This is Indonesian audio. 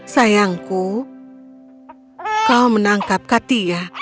sayangku kau menangkap katia